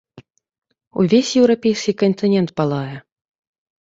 Увесь еўрапейскі кантынент палае.